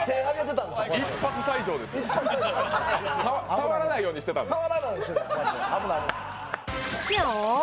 触らないようにしてたのね。